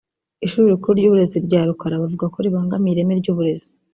ishuri rikuru ry’uburezi rya Rukara bavuga ko bibangamiye ireme ry’uburezi